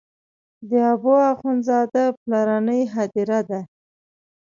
د حبو اخند زاده پلرنۍ هدیره ده.